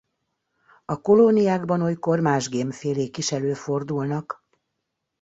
A kolóniákban olykor más gémfélék is előfordulnak.